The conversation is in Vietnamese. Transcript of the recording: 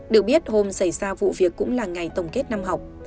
được biết hôm xảy ra vụ việc cũng là ngày tổng kết năm học